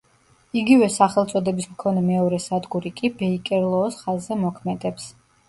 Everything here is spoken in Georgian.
იგივე სახელწოდების მქონე მეორე სადგური კი, ბეიკერლოოს ხაზზე მოქმედებს.